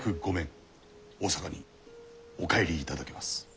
大坂にお帰りいただけます。